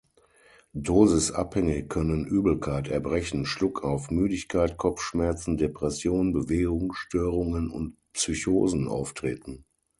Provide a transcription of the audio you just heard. Dosisabhängig können Übelkeit, Erbrechen, Schluckauf, Müdigkeit, Kopfschmerzen, Depression, Bewegungsstörungen und Psychosen auftreten.